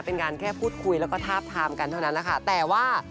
เป็นการแค่พูดคุยแล้วก็ทาบทามกันเท่านั้นแหละค่ะแต่ว่า